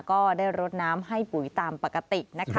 ก็ได้รดน้ำให้ปุ๋ยตามปกตินะคะ